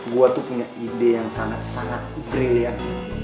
gue tuh punya ide yang sangat sangat brilliant